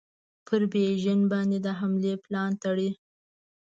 پر بیژن باندي د حملې پلان تړي.